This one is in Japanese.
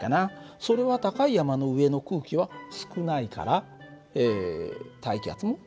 それは高い山の上の空気は少ないから大気圧もちっちゃい。